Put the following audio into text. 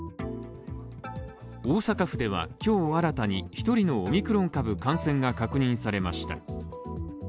大阪府では今日新たに１人のオミクロン株の感染が確認されました。